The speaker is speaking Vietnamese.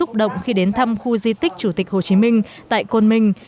động khi đến thăm khu di tích chủ tịch hồ chí minh tại côn minh